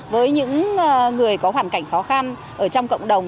với những người có hoàn cảnh khó khăn ở trong cộng đồng